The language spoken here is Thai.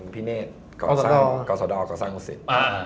พี่เนธก่อสะดอกก่อสร้างศึกษิษฐ์